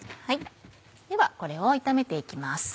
ではこれを炒めて行きます。